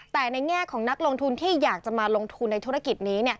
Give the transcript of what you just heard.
แต่ในแง่ของนักลงทุนที่อยากจะมาลงทุนในธุรกิจนี้